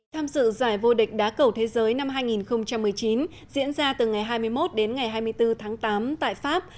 tham dự giải vô địch đá cầu thế giới năm hai nghìn một mươi chín diễn ra từ ngày hai mươi một đến ngày hai mươi bốn tháng tám tại pháp